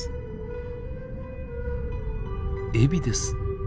エビです。